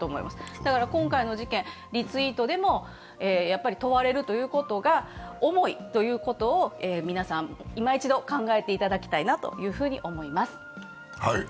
だから今回の事件、リツイートでも問われるということが重いということを皆さんいま一度考えていただきたいなと思います。